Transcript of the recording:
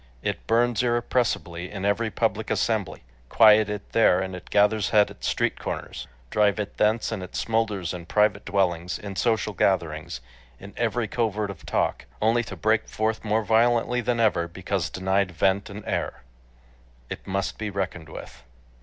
It burns irrepressibly in every public assembly; quiet it there, and it gathers head at street corners; drive it thence, and it smolders in private dwellings, in social gatherings, in every covert of talk, only to break forth more violently than ever because denied vent and air. It must be reckoned with